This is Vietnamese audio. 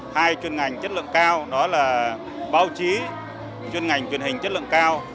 hai chuyên ngành chất lượng cao đó là báo chí chuyên ngành truyền hình chất lượng cao